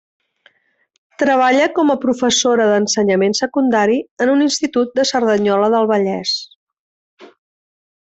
Treballa com a professora d’ensenyament secundari en un Institut de Cerdanyola del Vallès.